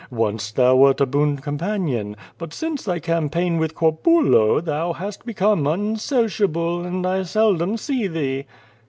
Once thou wert a boon companion. But since thy campaign with Corbulo thou hast become unsociable and 1 seldom see thee."